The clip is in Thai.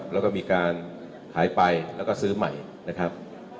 แล้วก็มีการหายไปแล้วก็ซื้อใหม่นะครับ